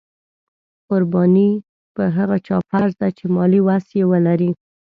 قرباني په هغه چا فرض ده چې مالي وس یې ولري.